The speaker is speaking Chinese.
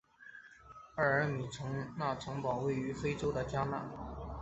埃尔米纳城堡位于非洲的加纳。